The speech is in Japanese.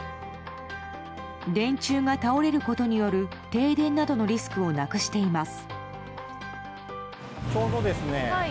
電柱が倒れることによる停電などのリスクをなくしています。